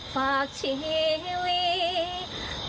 ฝากชีวิต